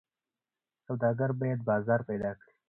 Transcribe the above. سوداګر باید بازار پیدا کړي.